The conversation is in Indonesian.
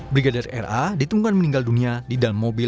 brigadir ra ditemukan meninggal dunia di dalam mobil